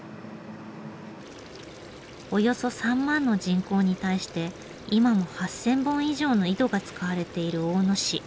およそ３万の人口に対して今も８，０００本以上の井戸が使われている大野市。